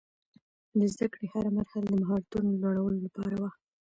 د زده کړې هره مرحله د مهارتونو لوړولو لپاره وه.